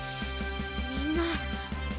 みんな。